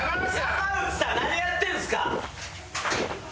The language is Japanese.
山内さん何やってんすか！